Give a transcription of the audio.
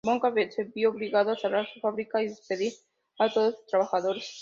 Wonka se vio obligado a cerrar su fábrica y despedir a todos sus trabajadores.